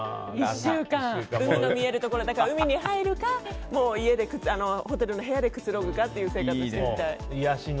１週間、海の見えるところで海に入るかホテルの部屋でくつろぐかっていう生活をしてみたい。